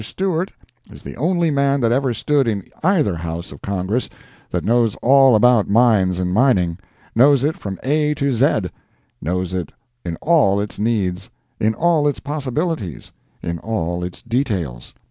Stewart is the only man that ever stood in either house of Congress that knows all about mines and mining—knows it from A to Zed—knows it in all its needs, in all its possibilities, in all its details.